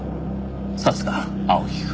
さすが青木くん。